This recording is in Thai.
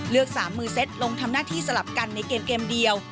เลือกสามมือเซ็ตลงทำหน้าที่สลับกันในเกมเดียว